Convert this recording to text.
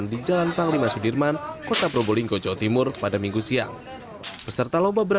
tapi segitu udah lebih baik dari sebelumnya